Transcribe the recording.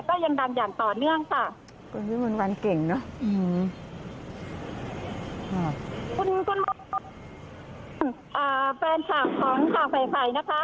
คุณวิมวัลวันตอนนี้คุณวิมวัลวันอยู่ที่ที่ปลอดภัยหรือเปล่า